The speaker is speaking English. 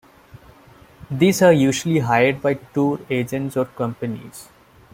These are usually hired by tour agents or companies.